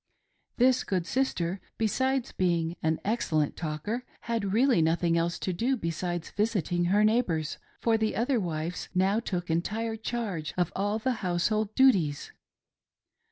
This good sister, besides being an excellent talker, had really nothing else to do besides visiting her neigh bors, for the other wives now took entire charge of all the household duties.